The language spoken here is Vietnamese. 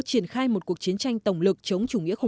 triển khai một cuộc chiến tranh tổng lực chống chủ nghĩa khủng